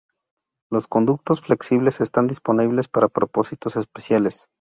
Los conductos flexibles están disponibles para propósitos especiales.